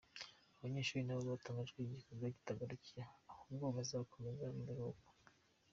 Aba banyeshuri nabo batangaje ko iki gikorwa kitagarukiye aha, ahubwo bazanakomeza mu biruhuko.